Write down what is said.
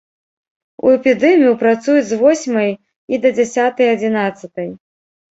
У эпідэмію працуюць з восьмай і да дзясятай-адзінаццатай.